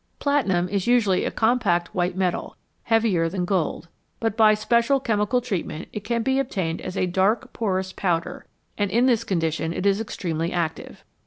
Platinum is usually a compact white metal, heavier than gold, but by special chemical treatment it can be obtained as a dark, porous powder, and in this condition it is extremely active.